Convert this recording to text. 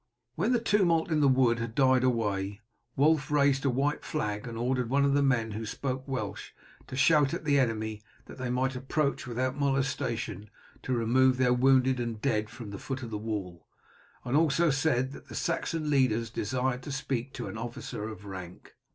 When the tumult in the wood had died away Wulf raised a white flag, and ordered one of the men who spoke Welsh to shout to the enemy that they might approach without molestation and remove their wounded and dead from the foot of the wall, and also said that the Saxon leaders desired to speak to an officer of rank.